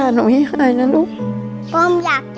หนูก็มีความสุข